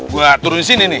gue turun sini nih